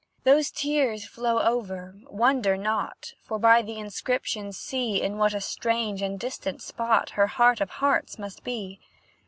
Those tears flow over, wonder not, For by the inscription see In what a strange and distant spot Her heart of hearts must be!